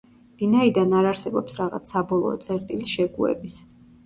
ვინაიდან არ არსებობს რაღაც საბოლოო წერტილი შეგუების.